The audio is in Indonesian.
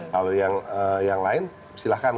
kalau yang lain silahkan